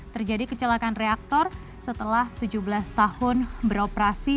terjadi kecelakaan reaktor setelah tujuh belas tahun beroperasi